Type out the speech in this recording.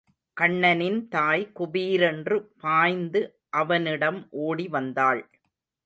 கண்ணனின் தாய் குபீரென்று பாய்ந்து அவனிடம் ஓடி வந்தாள்.